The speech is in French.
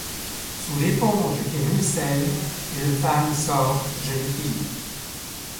Sous l’éponge qui ruisselle, une femme sort jeune fille.